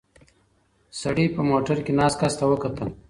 سړي په موټر کې ناست کس ته وکتل.